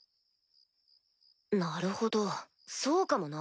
なるほどそうかもな。